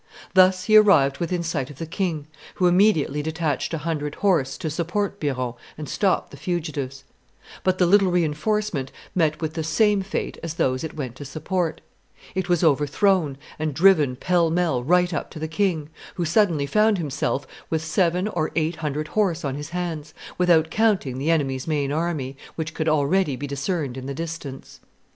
Thus he arrived within sight of the king, who immediately detached a hundred horse to support Biron and stop the fugitives; but the little re enforcement met with the same fate as those it went to support; it was overthrown and driven pell mell right up to the king, who suddenly found himself with seven or eight hundred horse on his hands, without counting the enemy's main army, which could already be discerned in the distance.